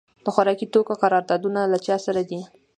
د خوراکي توکو قراردادونه له چا سره دي؟